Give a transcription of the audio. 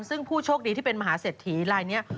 ซึ่งผู้โชคดีที่เป็นมหาเศรษฐีลายนี้